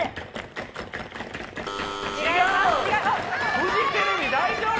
フジテレビ大丈夫？